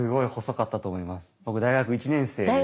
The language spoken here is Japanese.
僕大学１年生ですかね。